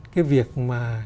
cái việc mà